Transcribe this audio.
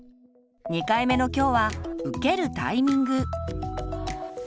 ２回目の今日は「受けるタイミング」。